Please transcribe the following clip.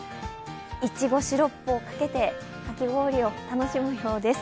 いちごシロップをかけてかき氷を楽しむようです。